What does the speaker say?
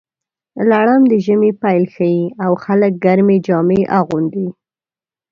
لړم د ژمي پیل ښيي، او خلک ګرمې جامې اغوندي.